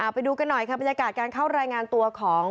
ไปดูกันหน่อยค่ะบรรยากาศการเข้ารายงานตัวของ